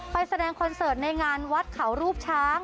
แสดงคอนเสิร์ตในงานวัดเขารูปช้าง